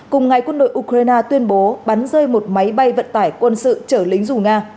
cùng ngày quân đội ukraine tuyên bố bắn rơi một máy bay vận tải quân sự chở lính dù nga